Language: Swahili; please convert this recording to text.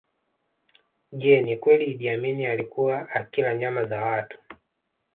Je ni kweli Iddi Amini alikuwa akila nyama za watu